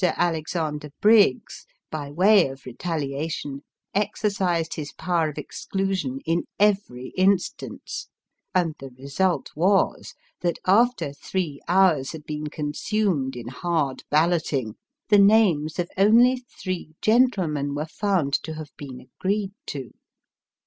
Alexander Briggs, by way of retaliation, exercised his power of exclusion in every instance, and tb.6 result was, that after three hours had been consumed in hard balloting, the names of only throe gentlemen were found to have been agreed to.